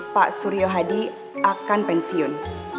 pak suryo hadi akan pensiun